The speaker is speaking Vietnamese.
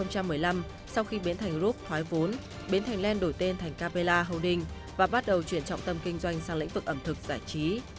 năm hai nghìn một mươi năm sau khi bến thành group thoái vốn bến thành land đổi tên thành capella holding và bắt đầu chuyển trọng tâm kinh doanh sang lĩnh vực ẩm thực giải trí